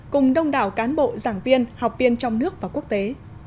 cùng đông đảo cán bộ giảng viên học viên trong nước và quốc tế